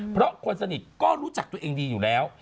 เพราะคนสนิทก็รู้จักตัวเองดีอยู่แล้ว